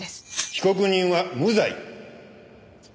被告人は無罪。